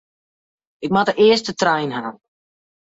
Ik moat de earste trein ha.